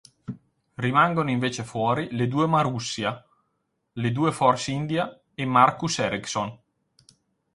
Rimangono invece fuori le due Marussia, le due Force India e Marcus Ericsson.